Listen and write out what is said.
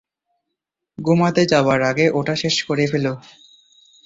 ঘুমাতে যাওয়ার আগে ওটা শেষ করে ফেলো।